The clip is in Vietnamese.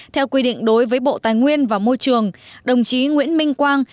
theo quy định đối với bộ tài nguyên và môi trường đồng chí nguyễn minh quang